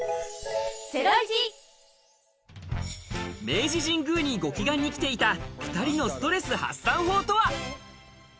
明治神宮に御祈願に来ていた２人のストレス発散法とは？